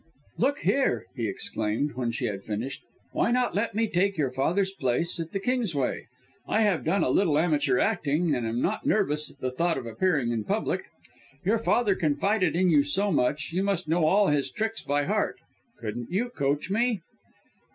"Look here!" he exclaimed, when she had finished, "why not let me take your father's place at the Kingsway? I have done a little amateur acting, and am not nervous at the thought of appearing in public. Your father confided in you so much you must know all his tricks by heart couldn't you coach me!"